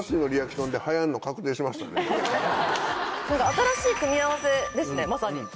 新しい組み合わせですねまさに。